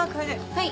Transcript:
はい。